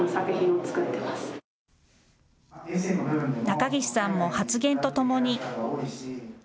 中岸さんも発言とともに。